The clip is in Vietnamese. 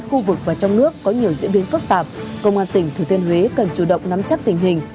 khu vực và trong nước có nhiều diễn biến phức tạp công an tỉnh thừa thiên huế cần chủ động nắm chắc tình hình